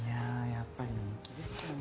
やっぱり人気ですよね